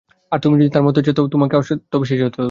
আর তুমি যদি তার মতো হতে চাও, তোমাকেও আত্মবিশ্বাসী হতে হবে।